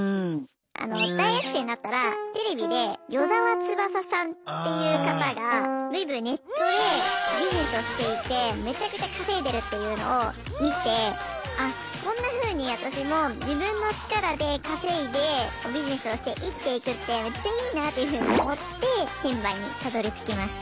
大学生になったらテレビで与沢翼さんっていう方がネットでビジネスをしていてめちゃくちゃ稼いでるっていうのを見てあこんなふうに私も自分の力で稼いでビジネスをして生きていくってめっちゃいいなっていうふうに思って転売にたどりつきました。